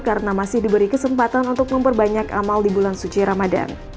karena masih diberi kesempatan untuk memperbanyak amal di bulan suci ramadan